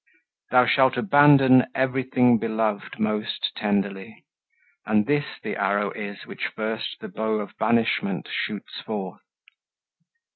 Thou shalt abandon everything beloved Most tenderly, and this the arrow is Which first the bow of banishment shoots forth.